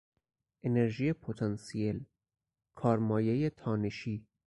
انرژی پتانسیل، کارمایهی تانشی